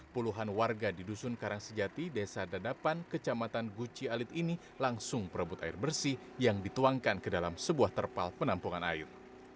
puluhan warga di dusun karangsejati desa dadapan kecamatan guci alit ini langsung perebut air bersih yang dituangkan ke dalam sebuah terpal penampungan air